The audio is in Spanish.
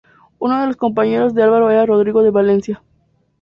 Uno de los compañeros de Álvaro era Rodrigo de Valencia.